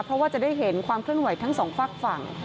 เพราะว่าจะได้เห็นความเคลื่อนไหวทั้งสองฝากฝั่ง